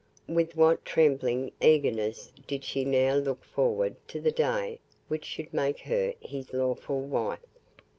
With what trembling eagerness did she now look forward to the day which should make her his lawful wife.